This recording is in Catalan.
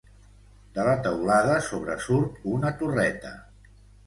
De la teulada sobresurt una torreta.